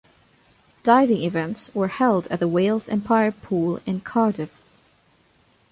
Diving events were held at the Wales Empire Pool in Cardiff.